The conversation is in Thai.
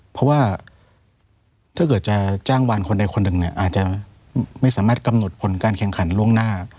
เพราะว่าถ้าเกิดจะจ้างวานคนใดคนหนึ่งเนี่ยอาจจะไม่สามารถกำหนดผลการแข่งขันล่วงหน้า